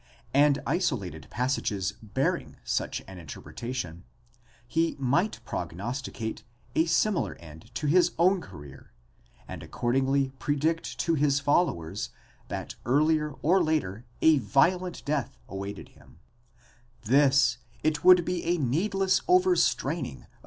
and isolated passages bearing such an interpretation, he might prognosticate a similar end to his own career, and accordingly predict to his followers that earlier or later a violent death awaited him—this it would be a needless overstraining of , 1 Daniel, iibersetzt und erklart von Bertholdt, 2, 5.